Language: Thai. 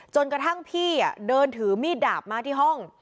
จนกระทั่งพี่เดินถือมีดดาบมาที่ห้อง